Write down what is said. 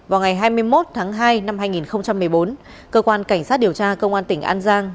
vào ngày hai mươi một tháng hai năm hai nghìn một mươi bốn cơ quan cảnh sát điều tra công an tỉnh an giang